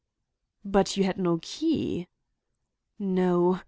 "But you had no key." "No.